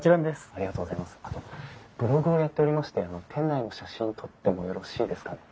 あとブログをやっておりまして店内の写真撮ってもよろしいですかね？